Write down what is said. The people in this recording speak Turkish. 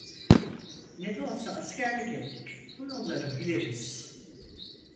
Ne de olsa askerlik ettik, bu yolları biliriz.